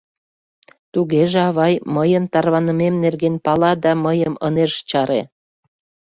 Тугеже авай мыйын тарванымем нерген пала да мыйым ынеж чаре.